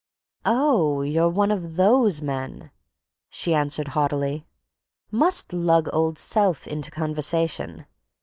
"Oh, you're one of those men," she answered haughtily, "must lug old self into conversation.